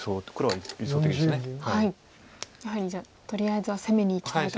やはりじゃあとりあえずは攻めにいきたいと。